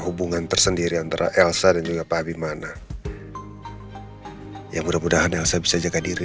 hubungan tersendiri antara elsa dan juga padi mana yang mudah mudahan yang saya bisa jaga diri